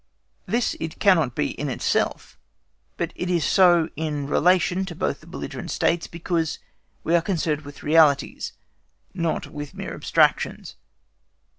This it cannot be in itself, but it is so in relation to both the belligerent States, because we are concerned with realities, not with mere abstractions.